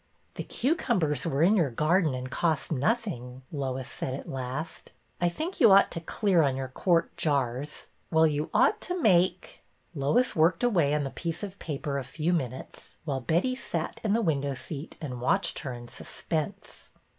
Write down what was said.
'' The cucumbers were in your garden and cost nothing/' Lois said at last. '' I think you ought to clear on your quart jars — well, you ought to make —" Lois worked away on the piece of paper a few minutes, while Betty sat in the window seat and watched her in suspense.